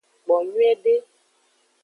Kpo nyuiede.